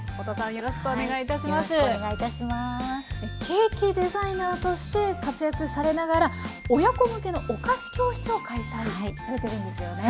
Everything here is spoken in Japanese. ケーキデザイナーとして活躍されながら親子向けのお菓子教室を開催されているんですよね。